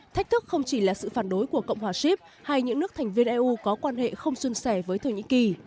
thách thức không chỉ là sự phản đối của cộng hòa ship hay những nước thành viên eu có quan hệ không xuân sẻ với thổ nhĩ kỳ